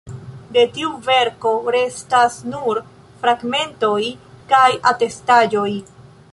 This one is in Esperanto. De tiu verko restas nur fragmentoj kaj atestaĵoj.